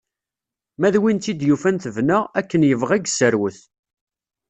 Ma d win tt-id yufan tebna, akken yebɣa i yesserwet.